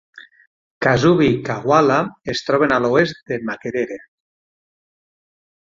Kasubi i Kawaala es troben a l'oest de Makerere.